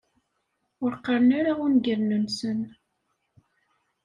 Ur qqaren ara ungalen-nsen.